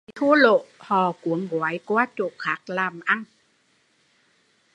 Bị thua lỗ họ cuốn gói qua chỗ khác làm ăn